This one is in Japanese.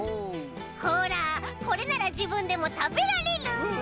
ほらこれならじぶんでもたべられる！